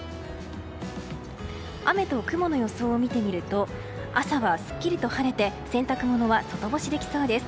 雨と雲の予想を見てみると朝はすっきりと晴れて洗濯物は外干しできそうです。